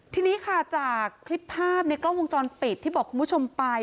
ทีนี้ค่ะจากคลิปภาพในกล้องวงจรปิดที่บอกคุณผู้ชมไป